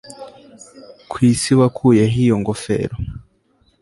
Ku isi wakuye he iyo ngofero